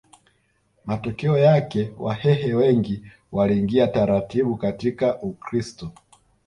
Matokeo yake Wahehe wengi waliingia taratibu katika Ukristo